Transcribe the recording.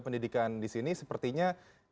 pendidikan di sini sepertinya